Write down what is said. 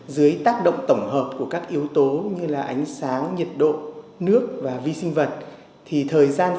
dưới tác động tổng hợp của các yếu tố như là ánh sáng nhiệt độ nước và vi sinh vật